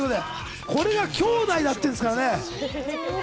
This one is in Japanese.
これがきょうだいだっていうんですからね。